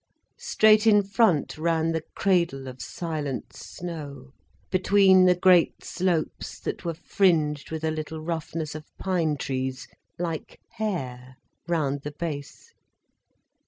Straight in front ran the cradle of silent snow, between the great slopes that were fringed with a little roughness of pine trees, like hair, round the base.